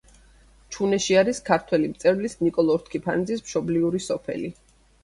ჩუნეში არის ქართველი მწერლის ნიკო ლორთქიფანიძის მშობლიური სოფელი.